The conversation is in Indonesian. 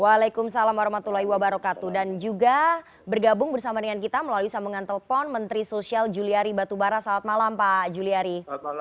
waalaikumsalam warahmatullahi wabarakatuh dan juga bergabung bersama dengan kita melalui sambungan telepon menteri sosial juliari batubara selamat malam pak juliari